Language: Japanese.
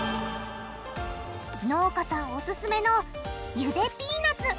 農家さんオススメのゆでピーナツ。